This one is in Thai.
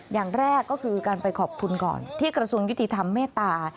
อย่างแรกก็คือการไปขอบคุณก่อนที่กระทรวงยุติธรรมเมตตา